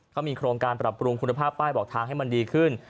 เขามีโครงการปรับปรุงคุณภาพป้ายบอกทางให้มันดีขึ้น